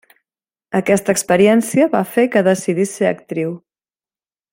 Aquesta experiència va fer que decidís ser actriu.